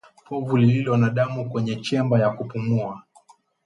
Povu lililo na damu kwenye chemba ya kupumua